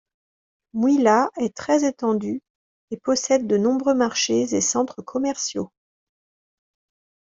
Mouila est très étendue et possède de nombreux marchés et centres commerciaux.